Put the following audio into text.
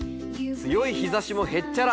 強い日ざしもへっちゃら。